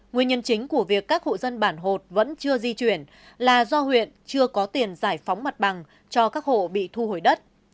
nguyên nhân chính của việc các hộ dân bản hột vẫn chưa di chuyển là do huyện chưa có tiền giải phóng mặt bằng cho các hộ bị thu hồi đất